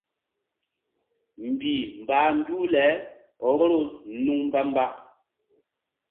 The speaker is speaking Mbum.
Mbih mbah nduh le vboro nuŋ mbamba.